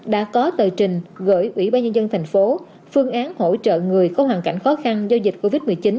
đã có tờ trình gửi ủy ban nhân dân thành phố phương án hỗ trợ người có hoàn cảnh khó khăn do dịch covid một mươi chín